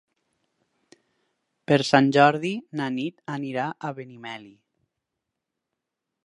Per Sant Jordi na Nit irà a Benimeli.